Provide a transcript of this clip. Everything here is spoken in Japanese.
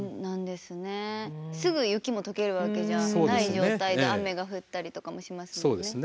すぐ雪も解けるわけじゃない状態で雨が降ったりとかもしますよね。